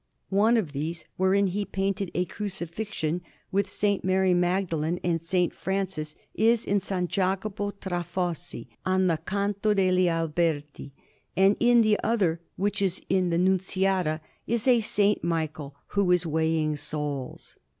One of these, wherein he painted a Crucifixion, with S. Mary Magdalene and S. Francis, is in S. Jacopo tra Fossi, on the Canto degli Alberti; and in the other, which is in the Nunziata, is a S. Michael who is weighing souls.